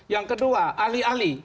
yang kedua ahli ahli